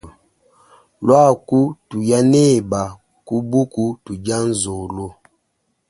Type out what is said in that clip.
Luaku tuya neba ku buku tudia nzolo.